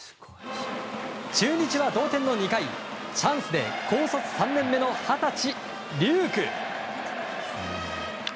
中日は同点の２回、チャンスで高卒３年目の二十歳、龍空。